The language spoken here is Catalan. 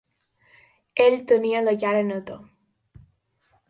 Ell tenia la cara neta.